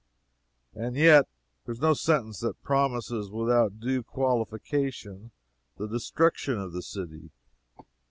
And yet there is no sentence that promises, without due qualification, the destruction of the city.